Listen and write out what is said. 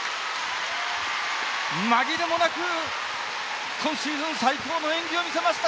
紛れもなく今シーズン最高の演技を見せました